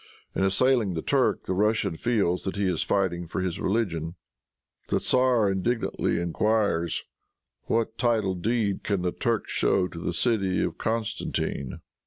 In assailing the Turk, the Russian feels that he is fighting for his religion. The tzar indignantly inquires, "What title deed can the Turk show to the city of Constantine?"